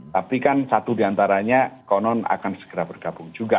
tapi kan satu diantaranya konon akan segera bergabung juga